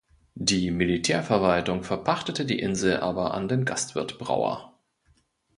Die Militärverwaltung verpachtete die Insel aber an den Gastwirt Brauer.